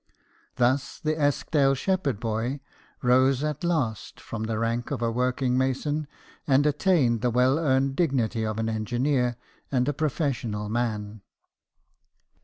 Thus the Eskdale shepherd boy rose at last from the rank of a working mason, and attained the well earned dignity of an engineer and a professional man.